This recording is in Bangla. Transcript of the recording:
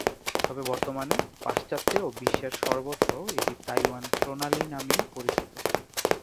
তবে বর্তমানে পাশ্চাত্যে ও বিশ্বের সর্বত্র এটি তাইওয়ান প্রণালী নামেই পরিচিত।